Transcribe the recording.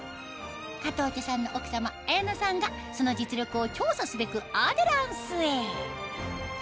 加藤茶さんの奥さま綾菜さんがその実力を調査すべくアデランスへ